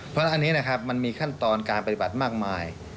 เพราะอันนี้มันมีขั้นตอนการปฏิบัติมากมาย